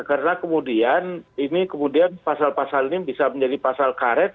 karena kemudian ini kemudian pasal pasal ini bisa menjadi pasal karet